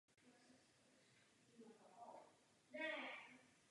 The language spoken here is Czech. Byl spoluautorem několika učebnic ruštiny a také přednášel.